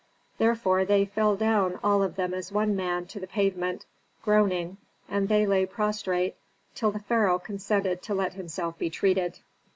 Therefore they fell down all of them as one man to the pavement, groaning, and they lay prostrate till the pharaoh consented to let himself be treated.